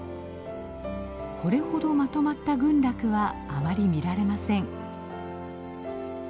これほどまとまった群落はあまり見られません。